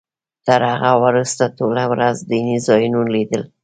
تر هغه وروسته ټوله ورځ دیني ځایونه لیدل.